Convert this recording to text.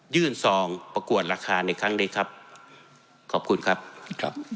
ซองประกวดราคาในครั้งนี้ครับขอบคุณครับครับ